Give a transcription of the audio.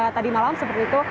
tadi malam seperti itu